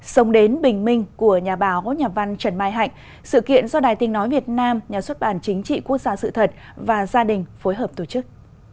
sống đến bình minh của nhà báo nhà văn trần mai hạnh sự kiện do đài tình nói việt nam nhà xuất bản chính trị quốc gia sự thật và gia đình phối hợp tổ chức